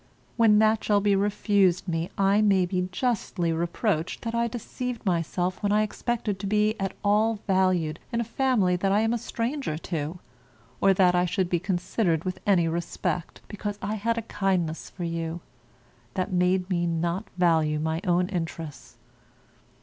When that shall be refused me, I may be justly reproached that I deceived myself when I expected to be at all valued in a family that I am a stranger to, or that I should be considered with any respect because I had a kindness for you, that made me not value my own interests.